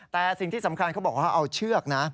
แต่สิ่งที่สำคัญเขาบอกว่าเขาเอาเชือกนะ